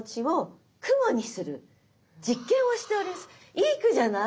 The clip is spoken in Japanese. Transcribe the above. いい句じゃない？